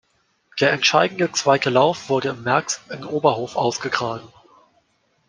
Der entscheidende zweite Lauf wurde im März in Oberhof ausgetragen.